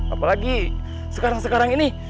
apalagi sekarang sekarang ini